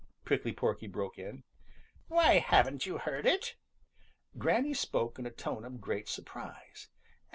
Prickly Porky broke in. "Why, haven't you heard it?" Granny spoke in a tone of great surprise.